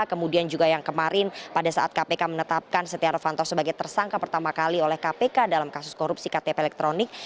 kemudian juga yang kemarin pada saat kpk menetapkan setia novanto sebagai tersangka pertama kali oleh kpk dalam kasus korupsi ktp elektronik